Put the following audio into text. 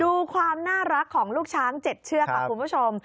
ดูความน่ารักของลูกช้าง๗เชือกค่ะคุณผู้ชม